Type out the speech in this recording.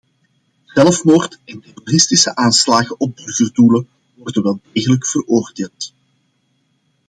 Zelfmoord- en terroristische aanslagen op burgerdoelen worden wel degelijk veroordeeld.